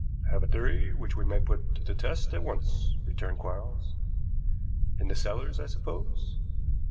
"I have a theory which we may put to the test at once," returned Quarles. "In the cellars, I suppose?"